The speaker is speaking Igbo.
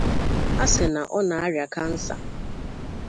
a sị na ọ na-arịa kansa